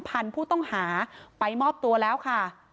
ทะลของพูดต้องหาไปมอบตัวแล้วค่ะ